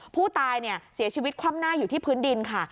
ผู้ตายเสียชีวิตคว่ำหน้าอยู่ที่พื้นดินค่ะ